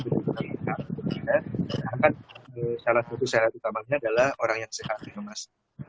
benar benar bisa karena syarat utama adalah orang yang sehat dan lemas